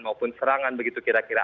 maupun serangan begitu kira kira